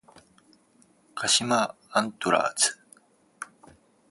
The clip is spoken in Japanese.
鹿島アントラーズ